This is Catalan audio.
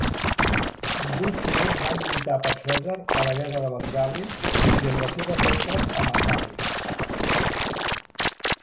Alguns foners van lluitar per Cèsar a la Guerra de les Gàl·lies, i en la seva contra a Massàlia.